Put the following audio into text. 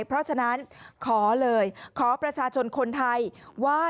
เพราะฉะนั้นขอเลยขอประชาชนคนไทยว่า